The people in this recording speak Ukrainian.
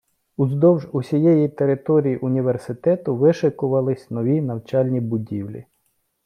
Уздовж усієї території університету вишикувались нові навчальні будівлі.